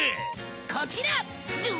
こちら！